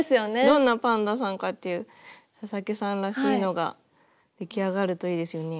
どんなパンダさんかっていう佐々木さんらしいのが出来上がるといいですよね。